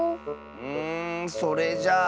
うんそれじゃあ。